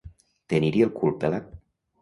Tenir-hi el cul pelat.